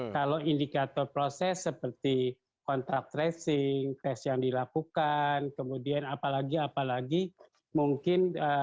kalau indikator proses seperti kontrak tracing tes yang dilakukan kemudian apalagi apalagi mungkin